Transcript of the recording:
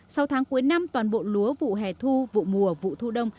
sau tháng cuối năm toàn bộ lúa vụ hè thu vụ mùa vụ thu đông